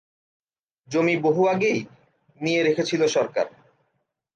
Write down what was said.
জমি বহু আগেই নিয়ে রেখেছিল সরকার।